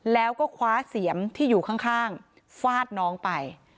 แล้วก็คว้าเสียมที่อยู่ข้างฟาดน้องไป